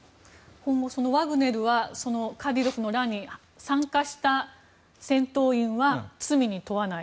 今後、ワグネルは乱に参加した戦闘員は罪に問わない。